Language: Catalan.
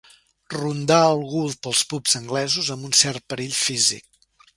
Rondar algú pels pubs anglesos amb un cert perill físic.